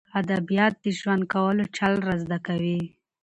ادبیات د ژوند کولو چل را زده کوي.